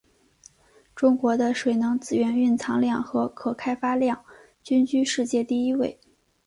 中国的水能资源蕴藏量和可开发量均居世界第一位。